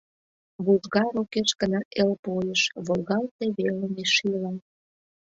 Вужга рокеш гына эл пойыш, Волгалте велыме шийла.